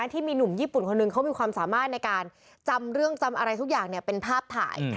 ที่มีหนุ่มญี่ปุ่นคนหนึ่งเขามีความสามารถในการจำเรื่องจำอะไรทุกอย่างเป็นภาพถ่าย